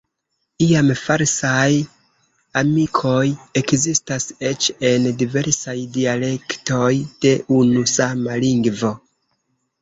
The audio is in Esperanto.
Iam falsaj amikoj ekzistas eĉ en diversaj dialektoj de unu sama lingvo.